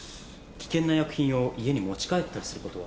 危険な薬品を家に持ち帰ったりすることは？